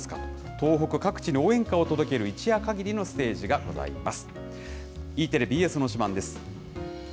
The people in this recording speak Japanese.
東北各地に応援歌を届ける一夜限りのステージがございます。